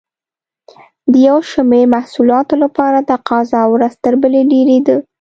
د یو شمېر محصولاتو لپاره تقاضا ورځ تر بلې ډېرېده.